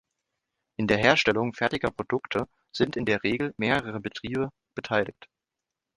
An der Herstellung fertiger Produkte sind in der Regel mehrere Betriebe beteiligt.